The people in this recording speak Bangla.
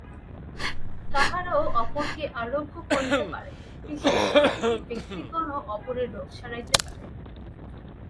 তাহারাও অপরকে আরোগ্য করিতে পারে, পিশাচপ্রকৃতি ব্যক্তিগণও অপরের রোগ সারাইতে পারে।